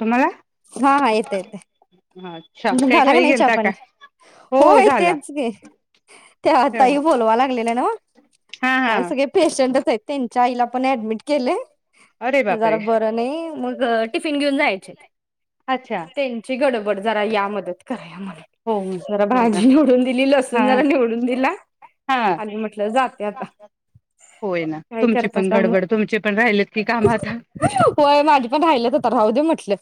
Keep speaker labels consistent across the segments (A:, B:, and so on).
A: तुम्हाला
B: हा हा येत येत
A: अच्छा
B: तुमचा
A: काय
B: झाला का
A: खाली
B: नाही चहा
A: गेलता का
B: पाणी
A: हो
B: होय
A: झाला
B: तेच कि त्या ताई
A: हा
B: बोलवाय लागलेल्या नव
A: हा
B: काय सगळे पेशंटचायत त्यांच्या आईला पण ऍडमिट
A: अरे
B: केलय जरा
A: बापरे
B: बर नाही म्हणु कट टिफीन घेऊन जायाचेत
A: अच्छा
B: त्यांची गडब बट जरा या मदत करायलाया म
A: हो
B: जरा
A: हो ना
B: भाजी निवडुन दिली,
A: हा
B: लसुन जरा निवडुन दिला
A: हा
B: आणि म्हंटल जाते आता
A: होय ना
B: काय
A: तुमची पण
B: करतासा
A: गडबड
B: मग
A: तुमचे पण राहिलेत की काम आता
B: व्हय माझी पण राहील्याता खाऊदे म्हंटल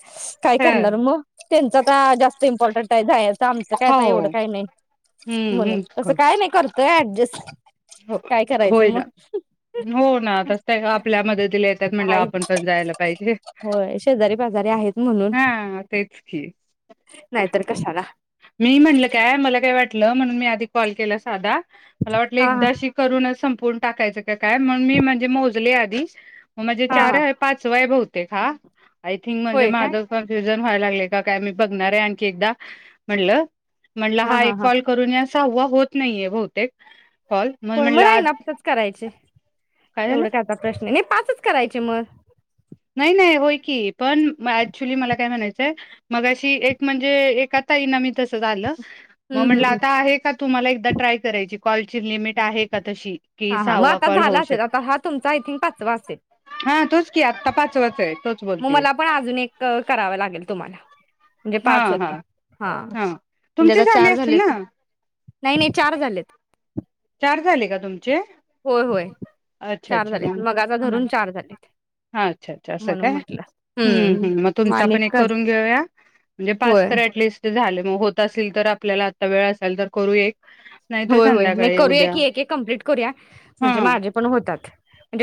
B: काय करणार मग त्यांच आता जास्त इंपोर्टन्ट आहे जायचा आमचा तर
A: हो
B: काय येवढा काय नाय म्हणुन
A: हम्म
B: तस काय न्हाय कर तय ऍडजेस्ट
A: हो होयना हो ना आता ते आपल्या मदतीला येतात म्हणल्यावर
B: आहेत
A: आपण पण जायला पाहीजे.
B: होय शेजारी पाजारी आहेत म्हणून
A: हा तेच की
B: नाहीतर कशाला
A: मी म्हणलं काय मला काय वाटलं म्हणून मी आधी कॉल केला साधा मला वाट
B: हा हा
A: एकदाशी करून संपे कोन टाकायचा की काय म्हणुन मि म्हणजे मोजले आधी म्हजे
B: हा
A: चार
B: हा
A: आहे पाचवाय बहुतेक ते खा आय थिंग म्हणजे
B: होय
A: माझ
B: काय
A: कनफ्युजन जन व्हाय लागलय काय की मी बघणारे आणखी एकदा म्हणलं म्हंलट हा एक कॉल करून या वा होत नाहीये बहुतेक कॉल
B: होय
A: म्हणलं
B: मग आहे
A: आज
B: नाच करायचे
A: काय झालं
B: एवढं का चार प्रश्न आहे नाही. पाचच करायचे मग
A: नाही नाही होय की पण ऍक्च्युली मला काय म्हणायचंय मग अशी एक म्हणजे एक आता ताईंना तसं झालं? मग
B: हम्म
A: म्हंटलं
B: हम्म
A: आता आहे का तुम्हाला एकदा ट्राय करायची कॉलची लिमिट आहे का तशी? कि
B: हा हा मग
A: सहावा
B: आता
A: कॉल होऊ
B: झाला असेल
A: शकतो
B: आता हा तुमचा आयथिंक पाचवा असेल
A: हा तोच की [unintelligible]
B: मग मला पण अजून एक कराव लागेल तुम्हाला -
A: हा हा हा
B: म्हणजे
A: तुमचे
B: आता
A: झाले
B: चार
A: असतील
B: झालेत
A: ना?
B: नाही नाही चार झालेत.
A: चार झाले का तुम?
B: होय होय चार
A: अच्छा
B: झालेत
A: मग
B: मगाचा धरून चार झालेत.
A: अच्छा.. अच्छा असं
B: म्हणून
A: काय
B: म्हटलं
A: हम्म हम्म मग तुमचा
B: माणिक
A: पण एक
B: कर
A: करून घेऊया म्हणजे पाच
B: होय
A: तर ऍटलिस्ट झाल मग होत असेल तर आपल्याला आता वेळ असाल तर करू एक नाहीतर
B: होय होय नाही
A: संध्याकाळी
B: करूया
A: उद्या
B: की एक एक कमप्लीट करूया
A: हा
B: म्हणजे माझे पण होतात.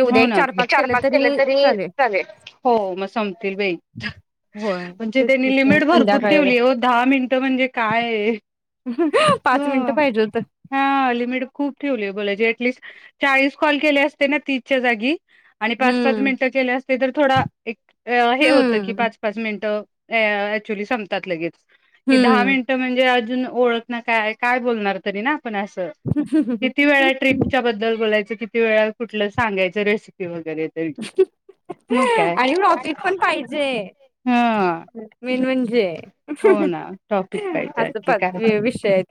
A: हो ना त चार पाच केले तरी चालेल हो मग संपतील बाई
B: होय
A: म्हणजे
B: तेच की
A: त्यांनी
B: आज
A: लिमिट भरपूर
B: संध्याकाळी वगैरे
A: ठेवली हो दहा मिनटं म्हणजे काय?
B: पाच
A: ह
B: मिनिट पाहिजे होत
A: हा लिमिट खूप ठेवली बोलायची ऍटलिस्ट चाळीस कॉल केले असते ना तीस च्या जागी आणि पाच-पाच
B: हम्म
A: मिनिटं केल्या असते तर थोडा एक अ हे होतं की
B: हम्म
A: पाच-पाच मिनिटं ऍक्च्युली सांपतात लगेच दहा
B: हम्म
A: मिनिटं म्हणजे? अ ओळख ना काय काय बोलणार तरी ना? अस किती वेळा ट्रिपच्या बद्दल बोलायचं किती वेळा कुठलं सांगायचं रेसिपी व
B: हा ह ह आणि टॉपिक पण पाहिजे
A: हा
B: मेन म्हणजे हा
A: हो ना टॉपिक
B: ह
A: पाहिजे
B: अस
A: आणखी
B: पण
A: काय
B: विषय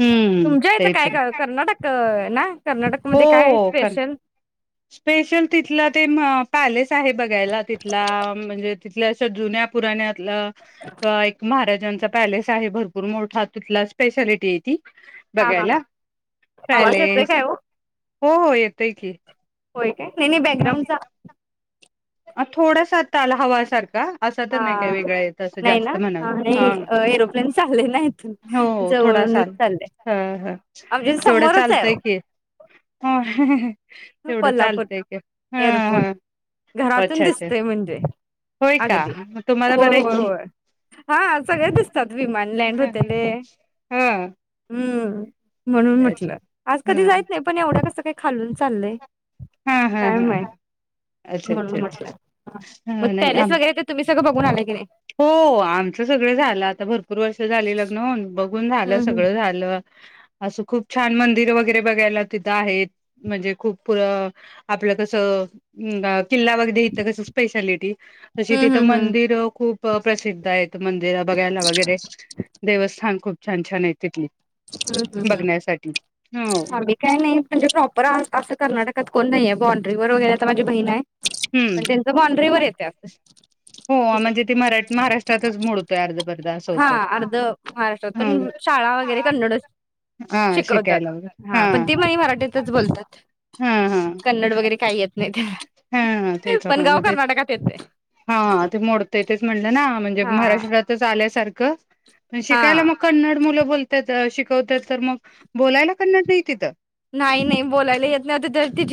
A: हम्म
B: इथं
A: तेच
B: काय
A: आहे
B: का कर्नाटक ना? कर्नाटकमध्ये काय हाय
A: हो कर
B: स्पेशल?
A: स्पेशल तिथला ते पॅलेस आहे बघायला तिथला म्हणजे तिथल्या अश जुन्या पुराण्या एक महाराजां तिथं पॅलेस आहे भरपूर मोठा तिथला स्पेशालिटी ये ती.
B: हा हा हा
A: बघायला
B: आवाज येतोय
A: पॅलेस
B: काय हो
A: हो येतोय की.
B: होय काय. नई नई बॅकग्राउंडचा?
A: अ थोडासा आता आला हवा सारखा. अस तर नाही
B: हा
A: काय वेगळा येत अस
B: नाही ना
A: जास्त म्हणुन. हा
B: नाही एरोप्लेन चालले ना इथून
A: हो थोडासा
B: जवळूनच चाललंय
A: ह ह
B: आमच्या
A: तेवढ
B: समोरच आहे
A: चालतय
B: ओ
A: की तेवढं
B: कोल्हापूर
A: चालतंय की हा
B: एअरपोर्ट
A: हा
B: घरात पण
A: अच्छा अच्छा
B: दिसतय म्हणजे
A: होय का
B: अगदी
A: मग तुम्हाला
B: होय
A: बरं आहे
B: होय
A: की
B: होय हा सगळे दिसतात विमान लँड होतेले.
A: हा
B: हम्म [inaudible] म्हणून म्हटल आज कधी जाईत नाही पण एवढं कस काय खालून चाललंय
A: हा हा
B: काय नाय
A: हा अच्छा अच्छा
B: म्हणुन
A: अच्छा
B: म्हंटल मग
A: ह नाही
B: पॅलेस
A: आम
B: वगैरे तर तुम्ही सगळ बघ - - रिकामा ऑडिओ
A: हो आमच सगळ झाल आता भरपूर वर्ष झाली लग्न होवून बघ घून झाल
B: हम्म
A: सगळं झालं अस खूप छान मंदिर वगैरे बघायला तिथं आहेत म्हणजे खूप अ आपल्या कस अ किल्ला वगैरे इथ कस स्पेशालिटी - - तशी
B: हम्म
A: तिथ
B: हम्म
A: मंदिर खूप [unintelligible] प्रसिद्ध आहेत. मंदिर बघायला वगैरे देवस्थान खूप छान छान हेत कि
B: हं हं हं
A: हो
B: आम्ही काय नाही म्हणजे प्रॉपर अस कर्नाटकात कोण नाहियं. बॉंड्रीवर वगैरे आता माझी बहीण हाय पण
A: हम्म
B: त्यांच बॉनड्रीवर येतय
A: हो
B: अस.
A: म्हणजे ती मराठ महाराष्ट्रातच मोडतोय अर्धपर्ध असं
B: हा
A: होतंय.
B: अर्ध महाराष्ट्रात
A: हम्म
B: पण शाळा वगैरे थोडाच
A: हा
B: शिकवतात.
A: शिकायला वगैरे हा
B: पण तीन
A: हा.
B: महिने मराठीतच बोलतात.
A: हा हा
B: कन्नड वगैरे काय येत नाहीत.
A: हा हा तेच ना
B: पण
A: मग
B: गाव
A: ते
B: कर्नाटकात येतय.
A: हा ते मोडतय तेच म्हणल ना.
B: हा
A: मराठी भाषेत आल्यासारखं क अं शिकायला
B: हा
A: मग कन्नड मुलं बोलतेत शिकवत तर मग बोलायला करणार नाही तिथं
B: नाही नाही बोलायला येत नाही आता त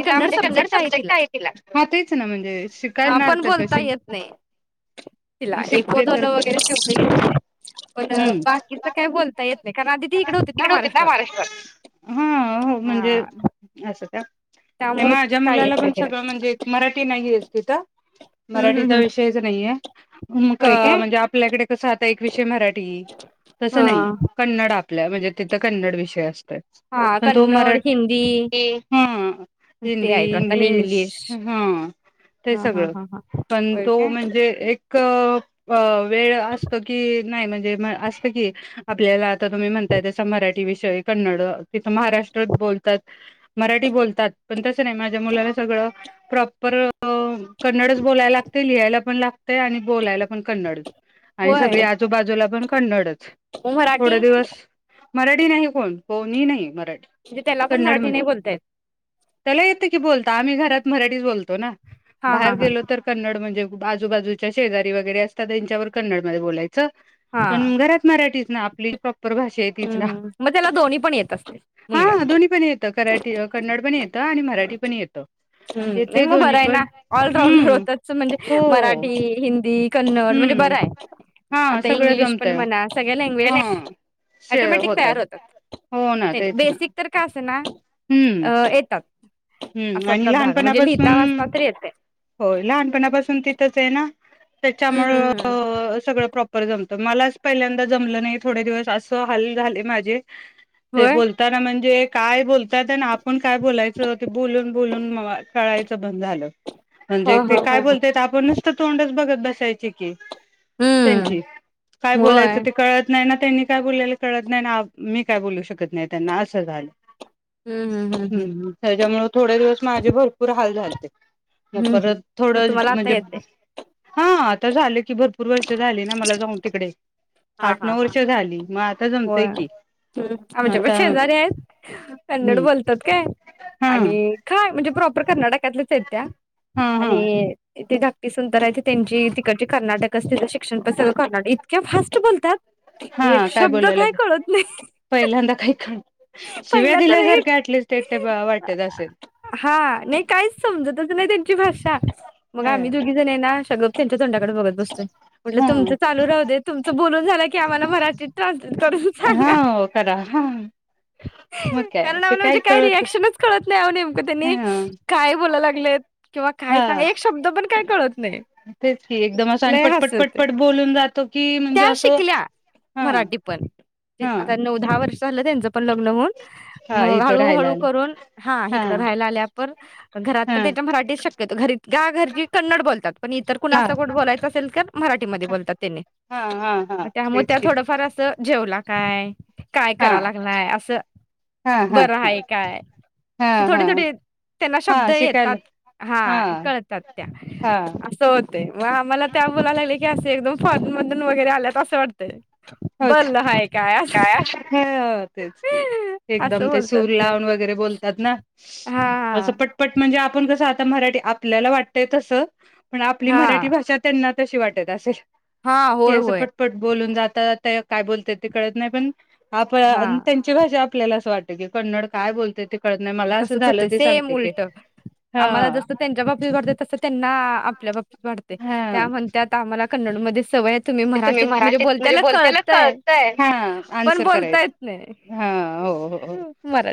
A: तिला म्हणजे कन्नड समजेल काय तीला? हा तेच ना म्हणजे
B: हा
A: शिकायणार
B: पण
A: तर
B: बोलता
A: कशी
B: येत नाही तिला एक
A: शिकते
B: दोन
A: तर
B: वगैरे तेवढ येते
A: हम्म
B: कारण आधी ती इकडे होती
A: तिकडे होते ना
B: महाराष्ट्रात
A: महाराष्ट्रात हा हो म्हणजे
B: हा
A: असं त्या
B: त्यामुळे
A: माझ्या
B: काय
A: मुलाला
B: येत नाही
A: पण
B: तिला
A: सगळं म्हणजे मराठी नाही येत. [unintelligible]
B: हम्म हम्म
A: मराठीचा
B: हम्म
A: विषयच नाहीये
B: होय काय
A: म्हणजे आपल्याकडे कस आता एक विषय मराठी ते तस नाही
B: हा
A: कन्नड आपल्या म्हणजे तिथं कन्नड विषय असत
B: हा
A: पण तो
B: कन्नड हिंदी
A: मराठी
B: ते
A: हिंदी
B: आहेत वाटत आणि
A: इंग्लिश हा ते
B: हा हा
A: सगळं
B: हा हा
A: पण
B: होय
A: तो
B: काय
A: म्हणजे एक वेळ असत की नाही नाही असत की आपल्याला तुम्ही म्हणय तसं मरा विषय कन्नड तिथ महाराष्ट्रात बोलतात मराठी विषय कन्नड तिथं महाराष्ट्रात बोलतात मराठी बोलतात पण तस नाही माझ्या मुलाला सगळं प्रॉपर कन्नडच बोलायला लागते लिहायला पण लागत आणि बोलायला पण कन्नडच आणि सगळे आजूबाजूला पण कन्नडच
B: म मराठी
A: थोडे दिवस मराठी नाही कोण कोणीही नाही म
B: म्हणजे त्याला पण मराठी नाही बोलता येत.
A: त्याला येतं की बोलता आम्ही घरात मराठीच बोलतो ना
B: हा हा
A: बाहेर
B: हा
A: गेलो तर कन्नड म्हणजे आजूबाजूच्या शेजारी वगैरे असतात त्यांच्यावर कन्नड मध्ये बोलायचं
B: हा
A: पण घरात मराठीच ना आपली प्रॉपर भाषा आहेत तेच
B: हम्म
A: ना
B: हम्म मग त्याला दोन्ही पण येत असते मुलग्याला
A: हा दोनी पण येत कन्नड पण येत आणि मराठी पण येतं
B: हम् नाही
A: येते
B: मग
A: दोन्ही
B: बरं आहे ना
A: पण
B: ऑलराऊंडर
A: हम्म
B: होतच म्हणजे
A: हो
B: मराठी हिंदी कन्नड म्हणजे बरं
A: हम्म
B: आहे
A: हा
B: आता
A: सगळं
B: इंग्लिश पण
A: जमतय
B: मला सगळ्या लँग्वेज
A: हा.
B: आटोमॅटिक
A: होतय
B: तयार
A: हो ना
B: होतात
A: तेच ना
B: बेसिक तर का असं ना
A: हम्म
B: येतात.
A: हम्म आणि
B: असातला भाग आहे. म्हणजे लिहिता
A: लहानपणापासून
B: वाचता तर येते
A: होय लहानपणापासून तिथंच आहे ना. त्याच्यामुळ
B: हम्म हम्म हम्म
A: सगळं प्रॉपर जमतं. तर मलाच पहिल्यांदा जमलं नाही थोडे दिवस असं हाल झाले माझे ते
B: होय
A: बोलताना म्हंजे काय बोलतात न आप पण काय बोलायच? बोलून बोलून म माझ कळायचं ब् मग झालं
B: हा
A: म्हणजे ते
B: हा
A: काय
B: हा हा
A: बोलत्यात आपणच नुसतं तोंडच बघत बसायचे की
B: हम्म
A: त्यांची काय
B: होय
A: बोलायचं ते कळत नाही ना त्यांनी काय बोलल्याल कळत नाही अन् मी काय बोलू शकत नाही त्यांना असं झालंय.
B: हंम् हं हं हं
A: त्याच्यामुळ थोडे दिवस माझे भरपूर हाल झालते मग
B: हम्म हम्म.
A: परत थोड
B: मग तुम्हाला आता
A: म्हणजे
B: येते.
A: हां आता झालय की भरपूर वर्ष झालीय ना मला जाऊन तिकडे आठ नऊ वर्ष झाली मग आ
B: व्हय आमच्या पण शेजारी आहेत कन्नड
A: हम्म
B: बोलतात काय?
A: हा
B: आणि काय म्हणजे प्रॉप् पण् कर्नाटकातल्यच आहेत त्या
A: हा हा
B: आणि ती धाकटी सुन तर आहे ते त्यांची तिकडची कर्नाटक ची शिक्षण पण सगळं कर्नाटी इतक्या फास्ट बोलत्यात
A: हां काय बोलाय [unintelligible] पहिल्यांदा काही खाण
B: पहिल्यांदा हा नाही
A: वाटत असेल
B: हा नाही काहीच समजतच नाही त्यांची भाषा मग
A: ह
B: आम्ही दोघी जण हाय ना आता् गप त्यांच्या तोंडाकडे बघत बसतोय. म्हंटल तुमचं
A: ह
B: चालू राहू दे तुमचं बोलून झालाय की आम्हाला मराठीत ट्रान्स्लें
A: हांव करा हां
B: कारण आम्हांला म्हणजे काय
A: कळत
B: रिएक्शनच कळत नाही. अहो नेमकं त्यांनी
A: हा
B: काय बोलायला लागलेत किंवा काय सांग
A: हा
B: एक शब्द पण काय [unintelligible]
A: तेच की एकदम असं आणि
B: लय हास्य होते
A: पटपटपटपट बोलून जातो की म्हणजे
B: त्या
A: असं
B: शिकल्या
A: हा
B: मराठी पण
A: हा
B: आता नऊ दहा वर्ष झालं त्यांच पण लग्न होऊन
A: हा
B: मग
A: इथं
B: हळू
A: राहायला
B: हळू
A: आलं
B: करून हा इकड राहायला आल्या पण घरात
A: हा
B: पण त्याच्या मराठी शक घरी [unintelligible] घरची कन्नड बोलतात पण इतर कोणा
A: हा
B: सोबत बोलायचं असेल तर मराठीमध्ये बोलतात त्यांनी
A: हा हा हा
B: त्यामुळे
A: तेच
B: त्या
A: की
B: थोडंफार असं जेवला काय काय
A: हा
B: करा लागलाय असं
A: हा हा
B: बरं
A: हा
B: हाय काय
A: हा
B: असे
A: हा
B: थोडे थोडे त्यांना शब्द
A: हा
B: येतात
A: शिकायला
B: हा कळतात त्या
A: हा
B: असं हो गते आम्हाला त्या बोलायला लागले की असे एकदम फॉरेन वगैरे आल्यात असं वाटतय
A: हो का काय हो तेच की एकदम
B: असं
A: ते
B: बोलतात
A: सूर लावून वगैरे बोलतात ना
B: हा
A: असं पटपट म्हणजे आप आपण कस आता मराठी आपल्याला वाटतय तस पण आपली
B: हा
A: मराठी भाषा त्यांना तशी वाटत असेल.
B: हा
A: की
B: होय
A: असं
B: होय
A: पटपट बोलून जा तर तळ काय बोलत्यात ते कळत नाय पण
B: हा
A: आपण त्यांची भाषा आप आपल्याला असं वाटत की कन्नड काय बोलत्यात ते कळत नाही मला असं
B: तसच
A: झालं
B: होतय
A: ते
B: सेम
A: सांगते की
B: उलटं
A: हा
B: आम्हाला जस त्यांच्या बाबतीत वाटतय तस त्यांना हा आपल्या बाबतीत वाढतयं
A: हा
B: त्या म्हणत्यात आम्हाला कन्नड मध्ये सवय
A: तुम्ही मराठीत म्हणजे बोलत्याल कळतय हा
B: पण
A: आन्सर
B: बोलता
A: करायच्
B: येत नाही
A: हा हो हो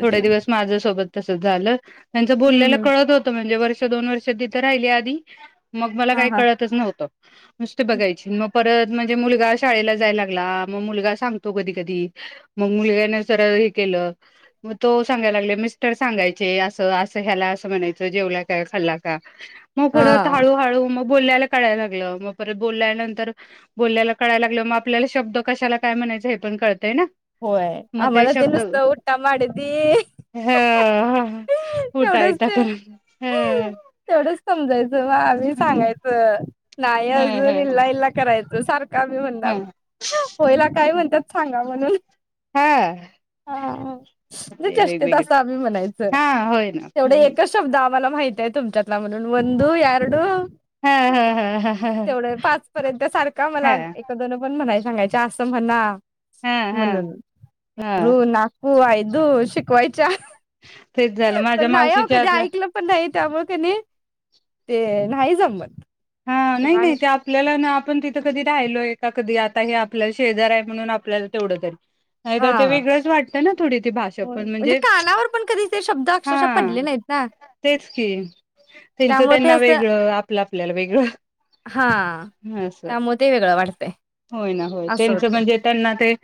A: थोडे दिवस माझ्या सोबत तसचं झालं त्यांचं
B: हम्म
A: बोलल्याल
B: हम्म
A: कळत होतं म्हणजे वर दोन वर्ष तिथं राहीली आधी. मग मला
B: हा
A: काही
B: हा
A: कळतच नव्हतं. नुसते बघायची न म परत म्हणजे मुलगा शाळेला जायला लागला मग मुलगा सांगतो कधी कधी मग मुलग्याने जर हे केलं मग तो सांगायला लागले मिस्टर सांगायचे असं असं ह्याला असं म्हणायचं जेवला काय खाल्ला का मग परत
B: हा
A: हळू हळू मग बोल्याल कळायला लागलं मग परत बोलल्यानंतर बोल्याला कळायला लागलं मग आपल्याला शब्द कशाला काय म्हणायचं हे पण कळ
B: होय आम्हाला ते नुसतं उटा माडीती
A: ह उठा
B: तेवढच
A: येता
B: ते
A: कर ह
B: तेवढच समजायचं वा मी
A: ह
B: सांगायचं नाही
A: ह
B: अजून
A: ह
B: इला-इला करायचं. [inaudible] का बी म्हणताव
A: हा
B: होय हेला काय म्हणत्यात सांगा म्हणून
A: हा
B: हा-हा-हा मी चेष्ट्येत
A: वेगवेगळे
B: असतो. आम्ही म्हणायचं
A: हा होय ना
B: तेवढे
A: हम्म
B: एकच शब्द आमी मला माहिती आहे तुमच्यातला म्हणून वन वंदू, यारडू
A: हा हा हा हा
B: तेवढ पाच पर्यंत सारख
A: हा
B: आम्हाला एक, दोन पण म्हणायचे. सांगायच्या अस म्हणा
A: हा हा
B: म्हणून
A: हा
B: मरूना हो आय दु शिकवायच्या.
A: तेच झालं माझ्या मावशीच्या आतलं
B: त्यामुळं त्यांनी ते नाही जमत.
A: हा नाही-नाही
B: लहान
A: ते आपल्याला ना आप आपण तिथं कधी राहिलोय का कधी आता हे आपल्याला शेजार आहे म्हणून आपल्याला तेवढं तरी नाही तर
B: हा
A: ते वेगळंच वाटतं ना थोडी ती भाषा
B: होय
A: पण म्हणजे
B: कानावर पण कधी ते शब्द
A: हा
B: अक्षरशः पडले नाहीत ना
A: तेच की त्यांचं
B: त्यामुळे ते
A: त्यांना
B: असं
A: वेगळं आपलं आपल्याला वेग
B: हा
A: हम्म असंच
B: त्यामुळे ते वेगळं वाटतंय
A: होय ना होय
B: असं
A: त्यांच
B: होतंय
A: म्हणजे त्यांना ते.